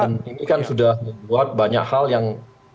ini kan sudah membuat banyak hal yang